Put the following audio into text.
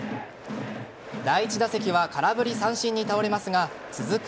第１打席は空振り三振に倒れますが続く